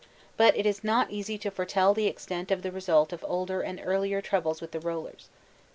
But it is not easy to foretell the extent of the result of older and earlier troubles with the rollers.